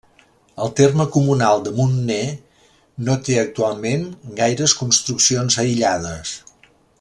El terme comunal de Montner no té actualment gaires construccions aïllades.